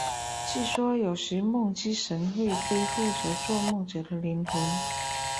据说有时梦之神会背负着做梦者的灵魂。